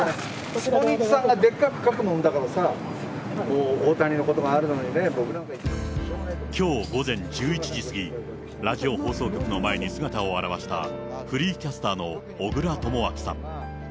スポニチさんがでっかく書くもんだからさ、大谷のことがあるのにきょう午前１１時過ぎ、ラジオ放送局の前に姿を現した、フリーキャスターの小倉智昭さん。